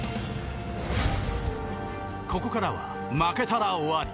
ここからは負けたら終わり。